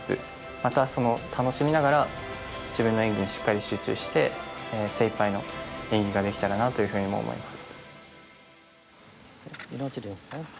またその楽しみながら自分の演技にしっかり集中して精いっぱいの演技ができたらなというふうにも思います。